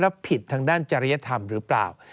แล้วผิดทางด้านจริยธรรมหรือเปล่า